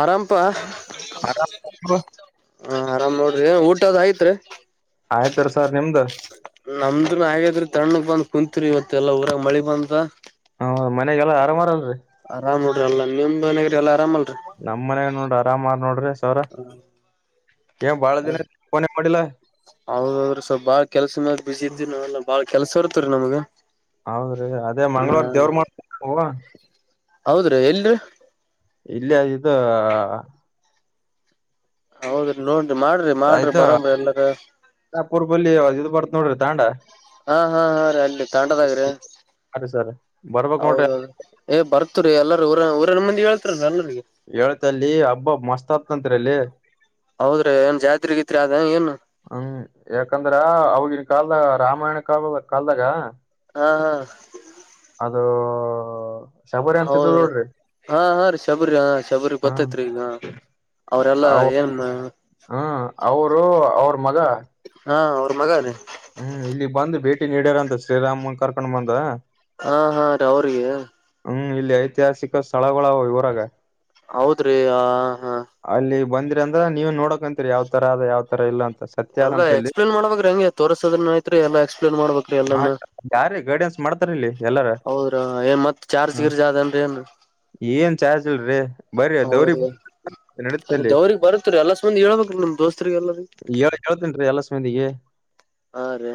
ಆರಾಮಪ ಆರಾಮ ಅ ಏನ ಊಟದ ಆಯತ್ರಿ ಆಯ್ತರಿ ಸರ್ ನಿಮ್ದ್ ನಮ್ದನು ಹಾಗಾದ್ರ ತಣ್ಣಗ್ ಬಂದ್ ಕುಂತರು ಇವತ್ತು ಎಲ್ಲ ಊರಾಗ ಮಳಿ ಬಂದ ಹ ಮನೆಾಗಲ್ಲಾ ಆರಾಮಾರಲ್ರರಿ ಆರಾಮ್ ನೋಡ್ರ ಅಲ್ಲ ನಿಮ್ದ್ನಗ್ರರಿ ಎಲ್ಲ ಆರಾಮಲ್ ನಮ್ ಮನಾಗ ನೋಡ್ರಿ ಆರಾಮ ನೋಡ್ರಿ ಸಾವ್ರ ಏನ್ ಬಾಳ ದಿನಿಲ್ಲ ಹೌದೌದ್ರೀ ಸ್ವಲ್ಪ ಬಾಳ್ ಕೆಲ್ಸ ಮ್ಯಾಗ ಬಸಿ ಇದ್ದೀರಿ ನಾವೆಲ್ಲ ಬಾಳ್ ಕೆಲ್ಸ ಇತ್ ರೀ ನಮಗ ಹೌದ್ರೀ ಅದೇ ಮಂಗ್ಗಳವಾರ ದೇವ್ರ ಮಾಡವಾ ಹೌದ್ರೀ ಎಲ್ರಿ ಇಲ್ಲ ಇದು ಹೌದ್ರಿ ನೋನ್ಿ ಮಾಡ್ರಿ ಮಾಡ್ರಿ ಆಯ್ತ ಬರ್ರ ಎಲ್ಲಾರ ನೋಡಿರ್ತಾಂಡಾ ಹಾ ಹಾ ಹಾ ರೀ ಅಲ್ಲಿ ತಂಡದಾಗಿ್ರೀ ಅರಿ ಸರ್ ಬರ್ಬಕ್ ನೋಡ್ರಿ ಹೌದೌದು ಏ ಬರ್ತತ್ರಿ ಎಲ್ಲಾರ ಊರ ಊರನ ಮಂದಿ ಹೇಳ್ತಾರಲ್ಲ ಎಲ್ಲರಿಗ ಹೇಳ್ತ ಅಲ್ಲಿ ಹಬ್ಬ ಮಸ್ತ್ ಆತ್ತ್ರಿ ಅಲ್ಲಿ ಹೌದ್ರಿ ಏನ್ ಜಾ್ರಗಿತ್ರಿ ಅದ ಏನು ಹ್ಮ ಯಾಕಂದ್ರ ಅವಗನ್ ಕಾಲ್ದ ರಾಮಾಯಣ ಕಾಲಲ್ ಕಲ್ದಾಗ ಹಾ ಹಾ ಹ್ಮ ಹೌದೀ ಹಾ ಹಾ ರೀ ಶಬರಿ ಹ ಶಬರಿ ಹ್ಮ್ ಗೊತ್ತೈತ್ರಿ ಈಗ ಅವರೆಲ್ಲಾ ಏನ್ ಹ್ಮ ಅವರು ಅವ್ರ ಮಗ ಹಾ ಅವ್ರ ಮಗ ಅದೆೇ ಹ್ಮ್ ಇಲ್ಲಿ ಬಂದು ಭೇಟಿ ನೀ್ಯಾರ ಅಂತ ಶ್ರೀರಾಮನ್ ಕರ್ಕೊಂಡ್ ಬಂದ ಹಾ ಹಾ ರ ಅವ್ರಿಗೆ ಹ್ಮ್ ಇಲ್ಲಿ ಐತಿಹಾಸಿಕ ಸ್ಥಳಗಳು ಇವರಾಗ ಹೌದ್ರಿ ಆ ಹಾ ಅ್ರ ನೀವು ನೋಡಕಂತೀರಿ ಯಾವ ತರ ಅದ ಯಾವ ತರ ಇಲ್ಲ ಅಂತ ಸತ್ಯ ಎಲ್ಲ ಅದಂತ ಅಲ್ಲಿ ಎಕ್ಸ್ಪ್ಲೇನ್ ಮಾಡಬೇಕಾಗ್ರ ಹೆಂಗೆ ತೋರ್ಸೋದನ ಐತ್ ಎಕ್ಪ್ಲನ್ ಏನ್ ಮಾಡ್ಬೇಕ್ರಿ ಹಾ ಎಲ್ಲಮ್ಮ ಯಾರೀ ಗೈಡೆನ್ಸ್ ಮಾಡ್ತಾರ ಇಲ್ಲಿ ಎಲ್ಲಾರ ಹೌದ್ರಾ ಏನ್ ಮತ್ ಚಾರ್ಜ್ ಹ ಗಿರ್ಜ್ ಅದನ್ರಿ ಏನ್ ಏನ್ ಚಾರ್ಜ್ಲ್ರಿ ಬರಿ ದೌರಿ ಹೌದ್ರಿ ನಡತಲ್ಲಿ ಅವ್ರಿಗೆ ಬರುತ್ರಿ ಎಲ್ಲಸ್ ಮಂದಿ ಹೇಳ್ಬೇಕ್ರಿ ನಿಮ್ ದೋಸ್ತ್ರಿಗ್ ಎಲ್ಲರಿ ಳ್ ಕೇಳ್ತೇನ್ೀ ಅಲಸ್್ಮಂದಿಗೆ ಹಾ ರ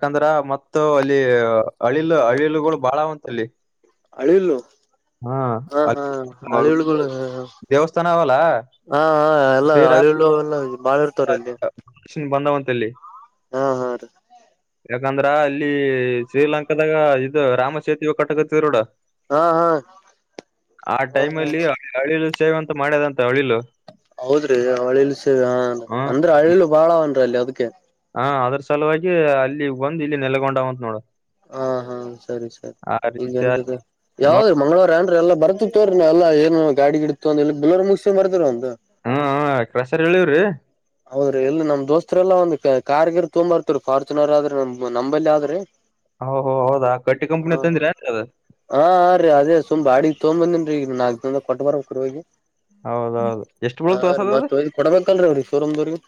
ಯಾಕಂದ್ರ ಮತ್ತ ಅಲ್ಲಿ ಅಳಿಲು ಅಳಿಲುಗಳು ಬಾಳಾವಂತ ಅಲ್ಲಿ ಹಳಿಯಲ್ಲು ಹಾ ಹಾ ಹಳಿಯಳ ಹ ದೇವಸ್ಥಾನ ಅವಲ್ಲ ಹಾ ಹ ಎಲ್ಲ ಶ್ರೀರಾಮ ಹಳಿಳ್ಳು ಎಲ್ಲ ಬಾಳ ಇರ್ತವ್ರ ಇಲ್ಲಿ ಬಂದವಂತಲ್ಲಿ ಹಾ ಹಾ ರೀ ಯಾಂದ್ರ ಅಲ್ಲಿ ಶ್ರೀಲಂಕಾದಾಗ ಇದು ರಾಮಚೇತ ಕಟಕ ತಿರುೋಡ ಹಾ ಹಾ ಆ ಹಾ ಹಾ ಟೈಮಲ್ಲಿ ಹಳಿಲು ಸೇವ್ ಅಂತ ಮಾಡ್ಯದಂತ ಹಳಿಲು ಹೌದ್ರಿ ಅಳಿಲು ಸೇವೆ ಹಾ ಹ ಅಂದ್ರ ಹಳಿಲು ಬಾಳ ಅವನ್ರೀ ಅಲ್ಲಿ ಅದಕ್ಕೆ ಹಾ ಅದ್ರ ಸಲುವಾಗಿ ಅಲ್ಲಿ ಬಂದು್ ಇಲ್ಲಿ ನೆಲಗೊಂಡ ಅವತ್ ನೋಡ ಹ ಹಾ ಸರಿ ಸರಿ ಆ ರೀತಿ ಈಗಏನ್ರದು ನೋಡ್ ಯಾವ್ದ್ರೀ ಮಂಗ್ಗಳವಾರ ಏನ್ೀ ಎಲ್ಲ ಬರ್ತ ಇ ಅಲ್ಲ ಏನು ಗಾಡಿಿಡತ ಅ ಎ ಬಿಲರ್ರು ಮುಗಿಸಿ ಮರ್ತಾರ ಒಂದು ಹಾ ಕಸರ್ ಹೇಳಿವವ್ರಿ ಹೌದ್ರಿ ಇಲ್ಲಿ ನಮ್ ದೋಸ್ತರೆ ಎಲ್ಲಾ ಒಂದ ಕಾರ್ಗಿರ್ ತುಂಬ ಇರ್ತ್ರ ಫಾರ್ಚುನರ್ ಆದ್ರೆ ನಮ ನಂಬಲ್ಲಿ ಆದ್ರಿ ಹೋ ಹೌದಾ ಕಟ್ಟಿ ಹ ಕಂಪನಿ ತಂದ್ರಿ ಅದ ಹಾ ರೀ ಅದೇ ಸುಮ್ ಭಾಡಿ ತೊಂಬಂದಿನ್ ರ ಈಗ ನಾಲ್ಕಕ್ ದ ಕೊಟ್ಟ ಬರ ಕುರ್ವಾಗಿಿ ಹೌದೌದು ಎಷ್ಟು ಹಾ ಬೀಳ್ತು ರೀ ಹೊಸದದು ಮತ್ತ ಕೊಡ್ಬೇಕಲ್ರೀ ಅವ್ರಿ ಶೋರೂಮ ದವ್ರಿಗೆ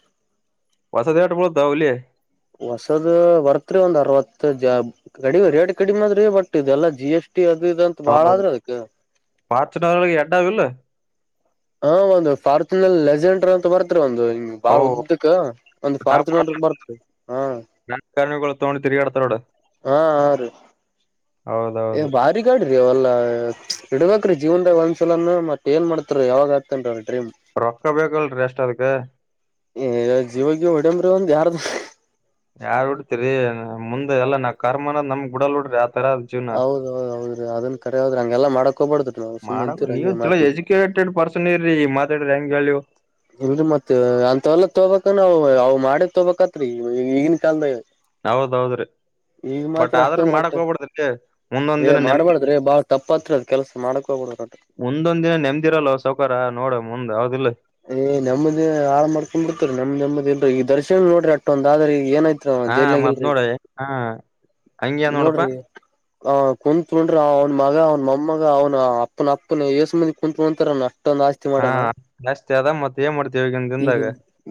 ಹೊಸದ ಎಟ್ ಬೀಳ್ತಾವ ಹುಲಿ ಹೊಸದ ಬರ್ತ್ರಿ ಒಂದ್ ಅರವತ್ತು ಕಡಿಮೆ ರೇಟ್ ಕಡಿಮೆ ಆದ್ರೆ ಬಟ್ ಇದೆಲ್ಲ ಜಿ ಎಸ್ ಟಿ ಹಟ್ಟಿ ಅದಂತ ಬಾಳ ಹೌದೌದು ಆದ್ರೆ ಅದಕ್ಕ ಫಾರ್ಚುನರ್ ಒಳಗೆ ಎಡ್ ಅವಿಲ್ಲ ಹಾ ಒಂದು ಫಾರ್ಥನ್ಲ್ಲಿ ಲೆಜೆಂಡರ್ ಅಂತ ಬರ್ತ್ರಿ ಒಂದು ಹ್ಮ ಬಾಳ ಅವು ಉದ್ದಕ್ ಒಂದ್ ಟಾಪ್ ಫಾರ್ಚುನ ಬರ್ತ ಹಾ ರಾಜಕಾರಣಿಗಳು ತಗೊಂಡು ತಿರ್ಗಾಡ್ತಾರ ನೋಡ ಹಾ ಹ ರ ಹೌದೌದು ಬಾರಿ ಗಾಡ್ರಿ ಅವಲ್ಲಾ ಇಡಬೇಕ್ರೀವದ ಒಂದ್ಲನ ಮತ್ತ ಏನ್ ಮಾಡತಾರರಿ ಯಾವಾಗ ಆತೇನ್ೀ ರೊಕ್ಕ ಬೇಕಲ್ರಿ ಎಷ್ಟ ಅದ್ಕ ಜೀವಾಗ ಹೊಡಂಬ್ರಿ ಒಂದು್ ಯಾರ್ದ ಯಾರ್ ಉಡ್ತಿರಿ ಮುಂದೆ ಎಲ್ಲ ನಾ ಕರ್ಮ ಅನ ನಮಗ್ ಗುಡಲ್ ಉಡ್ರಿ ಹೌದೌದ್ ಹೌದ್ರೀ ಅದನ್ ಕಡೆ ಹೋದ್ರಿ ಹಂಗೆಲ್ಲ ಮಾಡಕ್ ಹ್ಬಾರಡ್ದ ನಾವು ಸುಮ್ಮ್ ಅಂತೀ ಹಂಗೆ ಮಾತಿ ಡ್ ಪರ್ಸನ್ ಇ ರರಿ ಮಾತಾಡ್ರಂಗ ವ್ಯಾಲ್ಯೂ ಇಲ್ರಿ ಮತ್ತತ್ ಅಂತ ಎಲ್ಲ ತೋಬಕ ಅವ್ ಮಾಡೇ ತೊಬಬೇಕತ್ರಿ ಈಗನ್ ಕಾಲದ ಹೌದೌದ್ರಿ ಈಗ ಮಾತ್ರ ಅಷ್ಟೊಂದ್ರ ಆಗ್ತದೆ ಮುಂದೊಂದ್ ಏ ದಿನ ನೆಮ್ ಮಾಡ್ಬಾರ್ದ್ರೆ ಬಾಳ ತಪ್ಪ ಹತ್ರ ಅದ ಕೆಲ್ಸ ಮಾಡ್ಕೋುದು ಕೂಡು ಮುಂದೊಂದ ದಿನ ನೆಮ್ದಿರಲ್ವ ಸೌಕಾರ ನೋಡ ಮುಂದ್ ಯಾವದಿಲ್ಲ ಏ್ ನಮ್ಮ್ದದೇ ಹಾಳ ಮಾಡ್ಕೊಂಡ್ ಬಿಡ್ತರಿ ನಮ್ದ ನೆಮ್ಮದಿನ್ೀ ಈಗ ದರ್ಶನ್ ನೋಡ್ರಿ ಅಷ್ಟೊಂದ್್ರ ಈ ಏ ಹಾ ಮತ್ ಜೈಲನಾಗಲ್ರೀ ನೋಡ ಇದು ಹಾ ಹಂಗೆ ನೋಡಪಾ ನೋಡ್ರಿ ಆ ಕುಂತ್ ಕೂಂಡ್ರುಅವನ ಮಗ ಅವ್ನ ಮೊಮ್ಮಗ ಅವ್ನ ಅಪ್ಪನ ಅಪ್ಪನ ಏಸಂದಿ ಕುತ್ಕಂತಾರಣ ಮಟ್ಟೊಂದು ಆಸ್ತಿ ಹಾ ಮಾಡೋಣ ಜಾಸ್ತಿ ಅದ ಮತ್ ಏನ್ ಮಾಡ್ತೀವಿ ಈಗಿನ್ ಈಗ ದಿನದಾಗ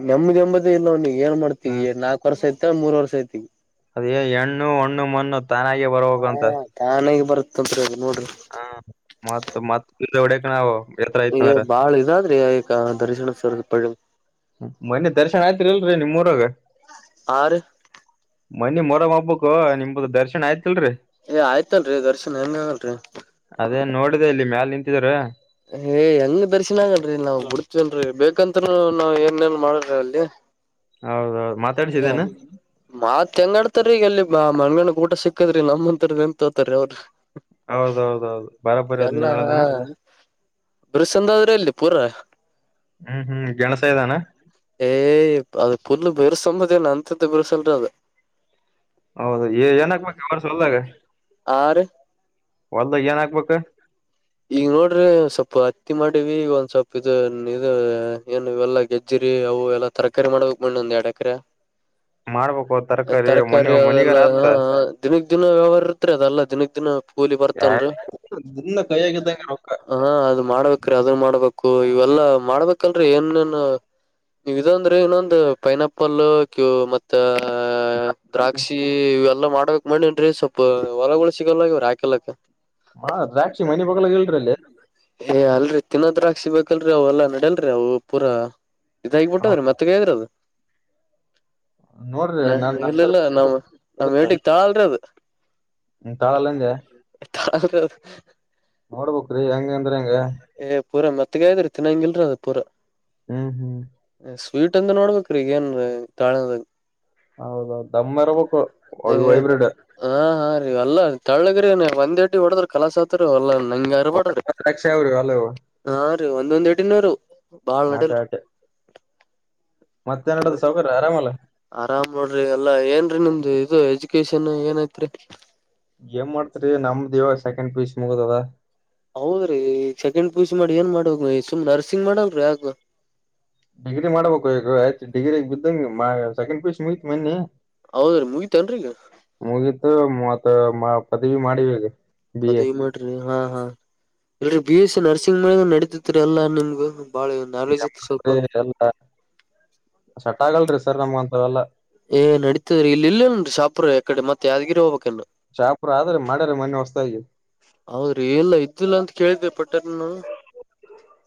ನೆಮ್ಮದಿ ಎಂಬತಿ ಇಲ್ಲವ ಏನ್ ಹಾ ಮಾಡ್ತೀವಿ ನಾಲ್ಕು ವರ್ಷ ಆ ಮೂರುವರ್ಷ ಐತಿಗೆ ಅದೇ ಹೆಣ್ಣು ಒಣ್ಣುಮಣ್ಣು ತಾನಾಗೇ ಬರ್ಬೇಕು ಅಂತ ತಗ ನೋರಿ ಹಾ ಮ ಮತ್ತವಡಕ ನಾವು ಎತ್ರ ಐತಂದ್ರ ಬಾಳ ಇದಾದ್ರಿ ಈಕ ದರ್ಶನ ಸರಿದಿ ಪಡೆಯಲು ಮನೆ ದರ್ಶನ್ ಆಯ್ತ್ರಿ ಇಲ್ರರಿ ನಿಮ್ಮಊರಾಗ ಆರು ಮನಿ ಮೊರ ಹೋಗ್ಬೇಕು ನಿಮ್ದ ದರ್ಶನ್ ಆಯ್ತು ಅಲ್ಲೆ ಏ ಆಯ್ತಲ್ರರಿ ದರ್ಶನ್ ಹೆಂಗ ಆಗಲ್ರಿ ಅದೇ ನೋಡಿದೆ ಇಲ್ಲಿ ಮ್ಯಾಲ ನಿಂತಿದಾರ ಏ ಹೆಂಗ್ ದರ್ಶನ್ ಆಗನ್ ನಾವವು ಮುಡ್ತವೇನ್ರಿ ಬೇಕಂತೂ ನಾವ್ ಏನ್ೇನ್ ಮಾಡ್ರಿ ಅಲ್ಲಿ ಹೌದೌದು ಹ ಮಾತಾಡ್ಸಿದ್ದೇನ ಮಾತ್ ಹೆಂಗಾಡ್ತಾರ ಈಗ ಅಲ್ಲಿ ಮಂಗನ ಊಟ ಸಿಕ್ಕದ್ರಿ ನಮ್ಮಂತರ ನೆನಪುತೋತಾರ ಅವ್ರರು ಹೌದೌದೌದು ಬರಾಬರಿ ಅದ್ ನೀವ್ ಇದೆಲ್ಲಾ ಹೇಳದನ ಬರುಸಂದಾದ್ರೆ ಪೂರ ಹ್ಮ್ ಹ್ಮ್ ಗೆಣಸ ಇದಾನ ಏ ಅಪ್ಪ ಬೇರೆಸಮ್ಮದ ಏನ ಅಂತ್ದ ಬರ್ಸಲ್ರ ಅದು ಹೌದು ಏನಕ್ಬೇಕ ಅವಾರ ಸಲ್ದಾಗ ಆ ರೀ ಹೊಲ್ದ ಏನ್ ಹಕ್ಬೇಕ ಈಗ ನೋಡ್ರಿ ಒ ಸ್ವಲ್ಪ ಹತ್ತಿ ಮಾಡಿವಿ ಈಗ ಒಂದ್ ಸ್ವಲ್ಪ್ ಇದು ಇ ಏನು ಇವೆಲ್ಲ ಗೆಜ್ಜಿ ಅವು ಎಲ್ಲಾ ತರಕಾರಿ ಮಾಡ್ಬೇಕು ಮಣ್ಣಿ ಒಂದ್ ಎರಡ ಎಕರೆ ಮಾಡ್ಬ ತರಕಾರಿ ಅದೆಲ್ಲಾ ಹ ದಿನಕ್ ದಿನ ವ್ಯವಹಾರ ಇತ್ರಿ ಅದಲ್ಲಾ ದಿನಕ್ ದಿನ ಕೂಲಿ ಬರ್ತ ಇತ್ತಲ್ರರಿ ಹ ಹಾ ಅದು ಮಾಡ್ಬೇಕ್ರೀ ಅದನ್ ಮಾಡ್ಬೇಕ ಇವೆಲ್ಲಾ ಮಾಡ್ಬೇಕಲ್ರರಿ ಏನೇನ್ ನೀವ ಇದಂದ್ರೆ ಇನ್ನೊಂದು ಪೈನಾಪಲ್ ಕ್ಯೂ ಮತ್ತ ಆ ದ್ರಾಕ್ಷಿ ಇವೆಲ್ಲ ಮಾಡ ಆಕ್ ಮಾಡಿ ಅನ್ರಿ ಸ್ವಲ್ಪ ಹೊಲಗಳು ಸಿಗಲ್ಲ ಇವ್ ಹಾಕಲ್ಲಕ್ಕ ಹ ರಾಕ್ಷ [inaudible] ಏ ಅಲ್ರರಿ ತಿನ್ನೋದ್ರಾಕ್ಸಬೇಕಲ್ರರಿ ಅವವು ಎಲ್ಲಾನಡಲ್ರಿ ಅವು ಪೂರಾ ಇದಗಬ ಬಿಟ್ಟದ್ರೀ ಹೌದು ಮತ್ತೆೇದ್ರ ಅದು ನೋಡ್ರಿ ನಾ ನಸ ಇಲ್ಲಿಲ್ಲ ನಾವ್ ನಮ್ ನತ್ತ ಏಟಿಗ್ ತಾಳ್ರಿ ಅದು ಹ್ಮ ಕಳಲ್ಲ ಅದೇ ಹ ಹೌದು ನೋಡ್ಬುಕ್ ರಿ ಹೆಂಗ ಅಂದ್ರ ಹೆಂಗಗೆ ಏ ಪೂರಾ ಮತ್ತಗ್ರ ತಿನ್ನಂಗಲ್ರ ಅದ ಪೂರಾ ಹ್ಮ್ ಹ್ಮ್ ವೀಟ್ ಅಂದ ನೋಡ್ಬೇಕ್ರೀಗಏನ್ ತಾಳೆದ ಹೌದೌ ದಮ್ಮರ್ ಬು ವೈಬ್ರಿಡ್ ಎಲ್ಲ ತಳ್ಳಗ್ರ ಒಂದ್ ಎಟ್ ಹೊಡದ್ರ ಕಲಸ ಹತ್ ಅಲ್ಲ ನಂಗ ಯಾರ ಬಡದ್ರಿ ದ್ರಾಕ್ಷಿ ಅವ್ರಿ ಅಲ್ಲ ಇವು ಹಾ ರೀ ಒಂದೊಂದ್ ಎಟಿನರು ಬಾಳ್ ಆಟ ನಟಲ್ರಿ ಆಟ ಮತ್ತೇನ್ ಅ ನಡದದ ಸಾವ್ಕಾರ ಆರಾಮಲ್ಲ ಆರಾಮ್ ನೋಡ್ರಿ ಎಲ್ಲಾ ಏನ್ರೀ ನಿಮ್ದ ದು ಇದು ಎಜುಕೇಶನ್ ಏನಐತ್ರಿ ಏನ್ ಮಾಡ್ತ್ರಿ ನಮ್ದ್ ಇವಾಗ ಸೆಕೆಂಡ್ ಪೀಸ್ ಮುಗುದದ ಹೌದ್ರಿ ಸೆಕೆಂಡ್ ಪೂಸಿ ಮಾಡಿ ಏನ್ ಮಾಡ ಸುಮ್ ನರ್ಸಿಂಗ್ ಮಾಡಲ್ೀ ಆಗ ಡಿಗ್ರಿ ಮಾಡ್ಬೇಕು ಈಗ ಆಯ್ತತ್ ಡಿಗ್ರಿಗ್ ಬಿದ್ದಂಗಗೆ ಸೆಕೆಂಡ್ ಪಿಯುಸಿ ಮುಗತಿ ಮನ್ನಿ ಹೌದರಿ ಮುಗಿತನರಿ ಈಗ ಮ ಮತ್ತ ಪದವಿ ಮಾಡಿವಗ ಪದವಿ ಮಾಡ್ರಿ ಹಾ ಹಾ ಇಲ್ರಿ ಬಿ ಎಸ್ ಸಿ ನರ್ಸಿಂಗ್ ಮ ನಡಿತತ್ರಿ ಎಲ್ಲಾ ನಿಮಗ ಎಲ್ಲ ಸಟ್ ಆಗಲ್ರಿ ಸರ್ ನಮ್ಮಂತ್ರ ಎಲ್ಲಾ ಏ ನಡೀತದ್ರೀ ಇಲ್ಲಿ ಇಲ್ಲೇನ್ ಶಾಪ್ರ ಯಕಡೆತ್ತತ್ ಯಾವಾದಗಿರಿ ಹೋಗಬಬೇಕ ಶಾಪುರ ಆದ್ರಿ ಮಾಡ್ಯಾರ ಮೊನ್ನೆ ಹೊಸ್ದಾಗಿ ಅವ್ರ ಎಲ್ಲ ಇತಿಲ್ಲ ಅಂತ ಕೇಳಿದೆ ಪಟ್ಟಾರನು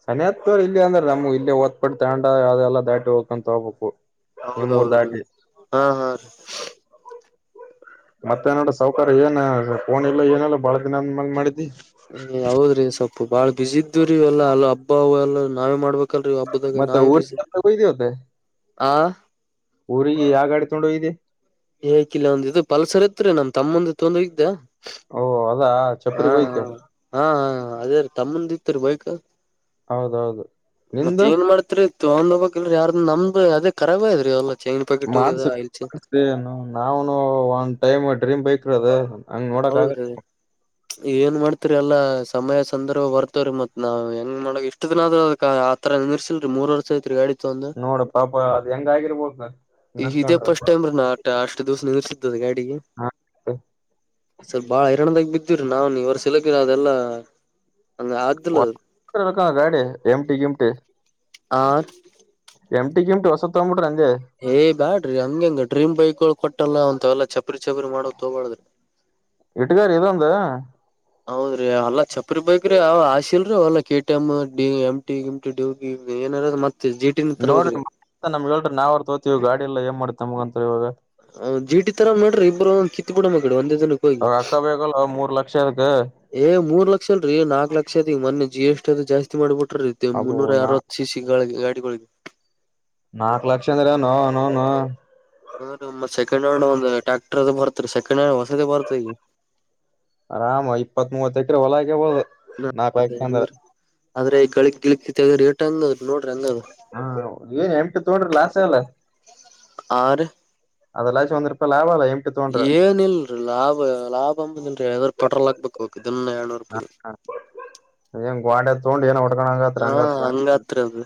ಸನಹತ್ ಇಲ್ಲಿ ಅಂದ್ರೆ ನಮ್ಗೆ ಇಲ್ಲಿ ಒದ್ಪಟ್ಟ ತಂಡ ಅದೆಲ್ಲಾ ದಾಟಿ ಹೋಗ್ಂತ ಹೋಗ್ಬೇಕು ನಿಮ್ಮೂರ್ ಹೌದೌದ್ರೀ ದಾಟಿ ಹಾ ಹಾ ರೀ ಮತ್ತೆ ನೋಡ್ರ ಸೌಕಾರ ಏನೋ ಇ ಏನಲ್ಲ ಬಾಳ ದಿನ ಅಂದ ಮೇಾಲ ಮಾಡಿದ್ದಿ ಹೌದ್ರೀ ಸೊಪ್ಪು ಬಾಳ ಬಿಸಿ ಇದು ರೀ ಎಲ್ಲ ಅ ಹಬ್ಬ ಎಲ್ಲ ನಾವೇ ಮಾಡ್ಬೇಕ ಲ್ ರ ಆಬದಾಗ ನಾ ಮತ್ತೆ ಕುಸ ಊರಿಗೆ ಹೋಗಿದಿ ಇವತ್ತ ಆಾ ಊರಿಗೆ ಯಾವ ಅಡಿ ತೊಂಡು ಹೋಗದೆ ತಮ್ಮಂದೆ ತೊಂದ ಇ್ದಾ ಓ ಅದಾ ಹ ಚಪ್ರಿ ಬೈಕ್ ಹ ಹ ಹ ಹ ಅದೇ ತಮ್ಮಂದ ಇತ್ರಿ ಬೈಕ್ ಹೌದೌದು ಮತ್ತ ನಿಂದ ಏನ್ ಮಾಡ್ತರಿ ಇತ್ತು ಒಂದೋಗ ಯಾರ ನಮ್ದ ಅ ರಬ ಅದ್ರೀ ಅವಲ್ಲ ಚೈನ್ ಪಾಕಿಟ್ ಹೋಗದ ಇಲ್ಚ ನಾವನು ಒನ್ ಟೈಮ್ ಡ್ರೀಮ್ ಬೈಕ್ ಇರೋದು ಹಂಗ್ ನೋಡಕ್ ಆಗ ಹೌದ್ರಿ ಏನ್ ಮಾಡ್ತರಿ ಎಲ್ಲಾ ಸಮಯ ಸಂದರ್ಭ ಬರ್ತವ್ರೀ ಮತ್ ನಾವ್ ಹೆಂಗ್ ಮಾಡ ಇಷ್ಟ ದಿನ ಆದ್ರ ಅದ ತರ ನಿರ್ಸಲ್ ಮೂರು ವರ್ಷದ ತಿರುಗಾ ನೋಡ ಪಾಪ ಅದು ಹೆಂಗ ಆಗಿರ್ಬೋದು ಈ ಇದೇ ಪಫಸ್ಟ್ ಟೈಮ್ ರ ನಾ ಅಷ್ಟ ದಿವಸ ನಿರ್ಸಿದ್ದ ಗಾಡಿಗೆ ನೆನ್ಸ್ಕೊಂಡ್ರ ಸ್ವಲ್ಪ ಬಾಳ ಹರಾಣದಾಗ ಬಿತ್ತು ಹ ನಾವವು ನೀ ಇವ ಸಿಲಕಿನ ಅದೆಲ್ಲಾ ಹಂಗ ಆ್ದಲ ಹ ಗಾಡೆ ಎಮಟಿ ಗಿಮಟೆ ಆ ಎಂಟಿ ಎಂಟ ಹೊಸತ್ತಂಬಟ್ರ ಏ ಬಾಡ್ರಿ ಹಂಗಂಗ ಡ್ರೀಮ್ ಬೈಕ್ ಗಳು ಕೊಟ್ಟಲ್ಲ ಅಂತವೆಲ್ಲ ಚಪ್ಪ ಚಪರಿ ಚಬರಿ ಮಾಡೋದು ಹಗಳದ್ರ ಇಟ್ಗಾರಿ ಇದೊಂದು ಹೌದ್ರಿ ಅಲ್ಲ ಚಪರಿ ಬೈಕ್ರಿ ಆಶಿಲ್ರಿ ಅವಲ್ಲಾ ಕೆಟಿ ಎಮ್ ಡಿ ಎಮ್ ಟ ಗಮಟಿ ಡಿವಿ ಏನಿರೋ ಮತ್ತೆ ಜಿ ಟಿ ನ ನೋಡ್ರಿ ತರ್ಬೇಕ್ರಿ ನಮ್ಗೆ ಹೇಳರಿ ನಾವ್ರ ತೋತೀವಿ ಗಾಡಿ ಎಲ್ಲ ಏನ್ ಮಾಡಿತ್ ನಮಗ ಅಂತ ಇವಾಗ ಜೀಟಿ ತರ ನೋರಿ ಇಬ್ರು ಕಿತ್ ಬಿಡ ಮಗಡೆ ಒಂದೇ ಹೋಗಿ ಅವಾಗ ಅಕ್ಕ ಬೇಕಲ್ಲ ಮೂರ್ ಲಕ್ಷ ಅದಕ್ ಏ ಮೂರ್ ಲಕ್ಷ ಅಲ್ರರಿ ನಾಕ ಲಕ್ಷ ಮೊನ್ನೆ ಜಿ ಎಸ್ ಟಿ ಅದು ಜಾಸ್ತಿ ಮಾಡಿಬಿಟ್ರ ಅಬೋ ಮುನ್ನೂರ ನಾ ಅರವತ್ತು ಸಿ ಸಿಗಳಿಗೆ ಗಾಡಿಗಳಿಗೆ ಹಾನ ತ್ ಸೆಕೆಂಡ್ ಹ್ಯಾಂಡ್ ಒಂದ್ ಟ್ಯಾಕ್ಟರ್ ಅದ ಬರ್ತ ಸೆಕೆಂಡ್ ಹ್ಯಾಂಡ್ ಹೊಸದೇ ಬರ್ತ್ ಈಗ ಆರಾಮ ಇಪ್ಪತ್ ಮೂವತ್ ಎಕರೆ ಹೊಲಗ ಹೋದು ನಾಕ ಅದ ಎಕರೆ ಅಂದ್ರ ಹೆಂಗ್ರ ಆದ್ರೆ ಗಗಳಿಗ್ ಗಿ ರೇಟ್ಂಗ ಹ ಏನ್ ಎಂಟು ತೋಡ್ರಿ ಲಾಸ್ ಅಲ್ಲ ಆ ಅದೆಲ್ಲಚು ಒಂದ್ರಪ ಲಾಭವಾಲ ಏನಲ್ರೀ ಲಾಭ ಲಾಭ ಅಂಬುದಲ್ರಿ ಯಾವದಾರರು ಪಟ್ರೋಲ್ ಹಾಕ್ಬೇಕು ಹೋಗ ಹ ಹ ಏನ್ ಗ್ವಾಡ ತಗೊಂಡು ಏನ ಹಾ ಹಂಗತ್ರದ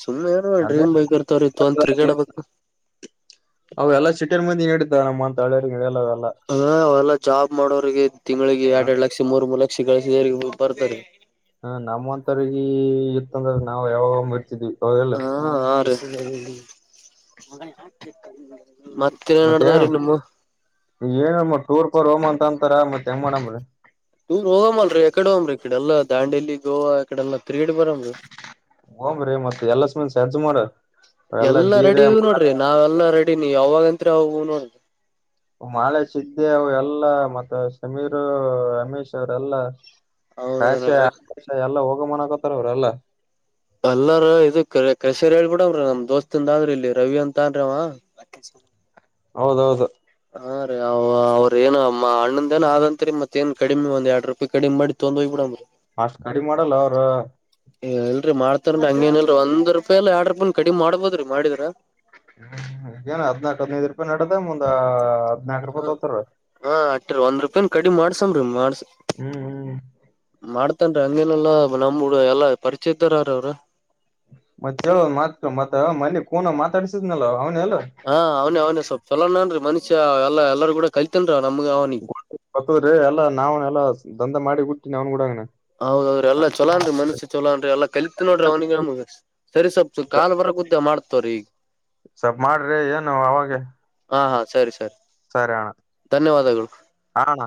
ಸುಮ್ಮ್ನೆ ಏನು ಅದೇ ಡ್ರೀಮ್ ಬೈಕ್ ಇರ್ತವ್ರ ಇತ್ತು ಒಂದ ತಿರಿಗೇಡಬೇಕು ಅವ ಎಲ್ಲ ಸಿಟಿರ್ ಮಂದಿ ನಡಿದ್ದ ನಮ್ಮಂತ ಹಳಿಯಲ್ಲಲ್ಲ ಹ ಅವಲ್ಲಾ ಜಾಬ್ ಮಾಡೋರರಿಗೆ ತಿಂಗಳಳಿಗೆ ಹಾ ಎರಡ್ ಎರಡು ಲಕ್ಷ ಮೂರ್ ಮೂರು ಲಕ್ಷ ಪಕ್ಷಿ ಕಳಸಿದರಿಗೆ ಬರ್ತಾರೆ ಹ ನಮ್ಮ ಒಂತವರಿಗ ಇತ್ತಂದ್ರ ನಾವವು ಯಾವ ಮಡ್ತಿದ್ವಿ ಹಾ ಹ ರ ಮತ್ತೆ ಮತ್ತಿನನ ಏನ್ ಅನಮ್ಮ ಪ್ಪರ್ ಹೋಮ ಅಂತ ಅಂತಾರ ಮತ್ತೆ ಮರ್ ಟೂರ್ ಹೋಗಮಲ್ರಿ ಯಕಡೆ ಹೋಗಮ್ರಿ ಈ ಕಡೆ ಎಲ್ಲಾ ದಾಂಡೇಲಿ ಗೋವಾ ಇಕಡೆಲ್ಲ ತೀರಗಡೆ ಬರದು ಹೋಮ್ರಿ ಮತ್ತೆ ಎಲ್ಲ ಸುಮ್ಮನೆ ಸಜ್ಜ ಮಾಡ ಎಲ್ಲಾ ರೆಡಿ ನೋಡ್ರಿ ನಾವೆಲ್ಲಾ ರೆಡಿ ನೀ ಯಾವಾಗತ್ತ್ರ ಅವು ನೋಡುದು ಮಾಳೆ ಸಿದ್ದೆ ಅವ ಎಲ್ಲಾ ಮತ್ತೆ ಸಮೀರ್ ರಮೇಶ್ ಅವರೆೆಲ್ಲಾ ಹೌದ್ರೀ ಕಷೆ ಆ ಎಲ್ಲ ಹೋಗ ಮನಕೋತಾರ ಅವ್ರ ಎಲ್ಲ ಅಲ್ಲಾರ ಇದು ಕಸೇರಿ ಹೇಳ್ಬಿಡವ್ರ ನಮ್ ದೋಸ್ತಂದ ಅಂದ್ರಿ ಇಲ್ಲಿ ರವಿ ಅಂತ ಅನ್ ಹೌದೌದು ಹಾ ರೀ ಅವ ಅವ್ರ ಏ ಅಣ್ಣಂದನ ಆದಂಂತರಿ ಮತ್ತೇಏನ್ ಕಡಿಮೆ ಒಂದ್ ಎರಡು ರೂಪಾಯಿ ಕಡಿಮ ಮಾಡ ತೊ್ ಹೋಗ್ಬ ಬಿಡಂದ್ರರಿ ಅಷ್ಟ ಕಡಿಮ ಮಾಡಲ್ಲ ಅವ್ರ ಏ ಇಲ್ರರಿ ಮಾಡ್ತಾರ ಹಂಗೇನಲ್ರಿ ಒ ರೂಪಾಯಿ ಅಾ ಎರಡ್ ರೂಪಾಯನ್ ಕಡಿಮ ಮಾಡ್ಬೋದ್ರಿ ಮಾಡಿದ್ರ ಹ್ಮ್ ಏನ ಹದನಾಲ್ಕು ಹದನೈದು ರೂಪಾಯಿ ನಡದೆ ಮುಂದ ಹದ್ನಾಕ್ ರೂಪಾಯಿ ಹ ತೋತಾರ ಹ ಅರ ಒಂದ್ ರೂಪಾಯನ್ ಕಡಿ ಮಾಡ್ಸನ್ ಮಾಡ್ಸ ಹ್ಮ್ ಹ್ಮ್ ಮಾಡ್ತನ್ ಹಂಗೇನೆಲ್ಲಾ ನಮ್ ಎಲ್ಲಾ ಪರಿಚಯಿತರರ ಅವ್ರ ಮತ್ತ ಚಲೋ ಮಾತ ಮಾತ ಮನೆ ಕನ ಮಾತಾಡಿಸ ನಲ ಹಾ ಅವ್ನ ಅವ್ನ ಸ್ವಲ್ಪ್ ಚಛಲೋ ನನ್ ಮನುಷ್ಯ ಎಲ್ಲ ಎಲ್ಲಾರೂ ಕೂಡ ಕಲ್ತನ್ರೀ ಅವ ಗ ಗತದ್ರಿ ಎಲ್ಲಾ ನಾವನ್ ಎಲ್ಲಾ ದಂಧೆ ಮಾಡಿ ಗುಟ್ಟೀ ಅವ್ನ್ ಗೂಡಗನ ಹೌದೌ್ರ ಎಲ್ಲಾ ಚೊಲಾನ ಮನುಷ್ಯ ಚಲಾನ್ ಎಲ್ಲಾ ಕಲತ್ ನೋಡ್ರಿ ಅವ್ನಿಗೆಮ ಸರಿ ಸವಲ್ಪ್ ಕಾಲ್ ಬರ ಗುದ್ದ ಮಾಡ್ತವ್ರ ಈಗ ಸ್ವಪ್ ಮಾಡ್ರಿ ಏನು ಅವಾಗ ಹಾ ಹಾ ಸರಿ ಸರ್ ಸರಿಯಣ ಆಣ